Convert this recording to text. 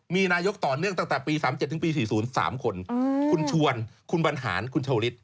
มีนายกต่อเนื่องตั้งแต่ปี๓๗ถึงปี๔๐๓คนคุณชวนคุณบรรหารคุณชาวฤทธ